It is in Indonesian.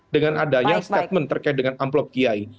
dengan adanya statement terkait dengan amplop kiai